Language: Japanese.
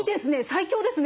最強ですね。